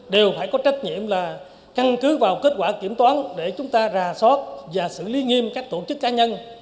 đều phải có trách nhiệm là căn cứ vào kết quả kiểm toán để chúng ta rà soát và xử lý nghiêm các tổ chức cá nhân